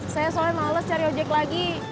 saya soalnya males cari ojek lagi